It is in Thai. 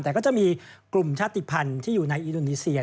แต่ก็จะมีกลุ่มชาติภัณฑ์ที่อยู่ในอินโดนีเซีย